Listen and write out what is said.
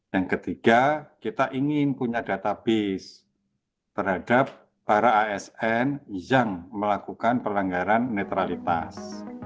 yang ketiga kita ingin punya database terhadap para asn yang melakukan pelanggaran netralitas